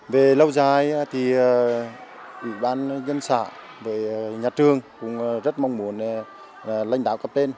về lâu dài thì ủy ban nhân xã nhà trường cũng rất mong muốn lãnh đạo cập tên